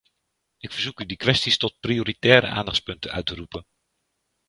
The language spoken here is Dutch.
Ik verzoek u die kwesties tot prioritaire aandachtspunten uit te roepen.